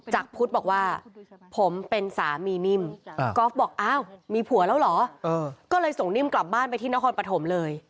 จากพุทธบอกว่าผมเป็นสามีนิ่ม